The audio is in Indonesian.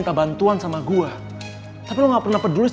kan sudah nanti dulu